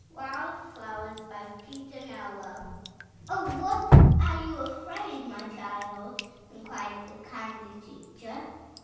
WILD FLOWERS* P4i*cr Newell" ''Of what are you afraidy my child?'* inquired the kindly teacher.